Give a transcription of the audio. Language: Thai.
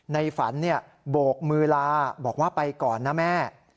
ในฝันโบกมือลาบอกว่าไปก่อนนะแม่